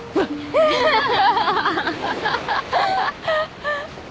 アハハハハ！